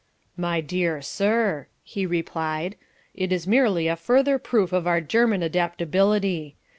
"My dear sir" he replied, "it is merely a further proof of our German adaptability.